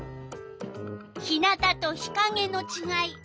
日なたと日かげのちがい。